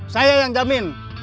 saya yang jamin